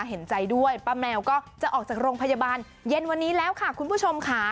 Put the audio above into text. เห็นใจด้วยป้าแมวก็จะออกจากโรงพยาบาลเย็นวันนี้แล้วค่ะคุณผู้ชมค่ะ